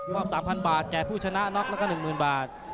๓๐๐บาทแก่ผู้ชนะน็อกแล้วก็๑๐๐๐บาท